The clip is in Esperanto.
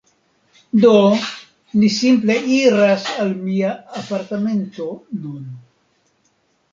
Do, ni simple iras al mia apartamento nun